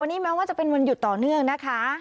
วันนี้แม้ว่าจะเป็นวันหยุดต่อเนื่องนะคะ